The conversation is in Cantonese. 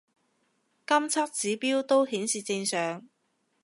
監測指標都顯示正常